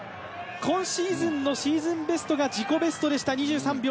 今シーズンのシーズンベストが自己ベストでした、２３秒１３。